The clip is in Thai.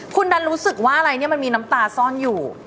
คุณดันรู้สึกว่าอะไรเนี่ยมันมีน้ำตาซ่อนอยู่